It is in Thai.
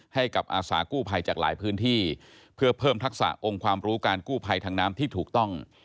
ให้กับอาสากู้ภัยจากหลายพื้นที่เพื่อเพิ่มทักษะองค์ความรู้การกู้ภัยทางน้ำที่ถูกต้อง